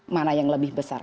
mana yang lebih besar